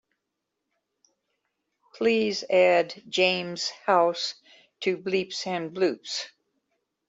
Please add james house to bleeps & bloops